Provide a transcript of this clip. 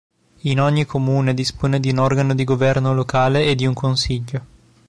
In ogni comune dispone di un organo di governo locale e di un consiglio.